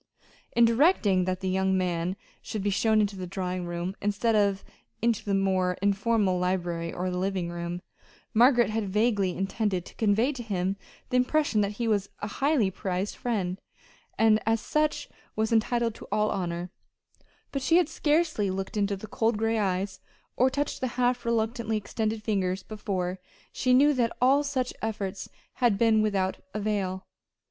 In directing that the young man should be shown into the drawing room instead of into the more informal library or living room, Margaret had vaguely intended to convey to him the impression that he was a highly prized friend, and as such was entitled to all honor; but she had scarcely looked into the cold gray eyes, or touched the half reluctantly extended fingers before she knew that all such efforts had been without avail.